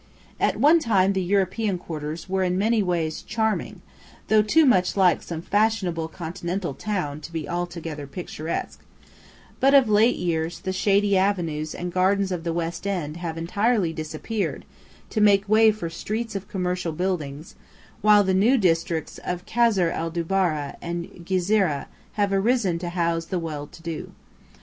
At one time the European quarters were in many ways charming, though too much like some fashionable continental town to be altogether picturesque; but of late years the shady avenues and gardens of the west end have entirely disappeared to make way for streets of commercial buildings, while the new districts of Kasr el Dubara and Ghezireh have arisen to house the well to do.